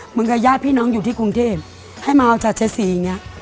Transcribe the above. เหมือนกับญาติพี่น้องอยู่ที่กรุงเทพให้มาเอาจากชัยศรีอย่างเงี้ย